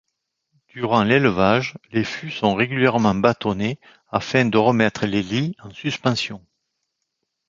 Durant l'élevage, les fûts sont régulièrement bâtonnés afin de remettre les lies en suspension.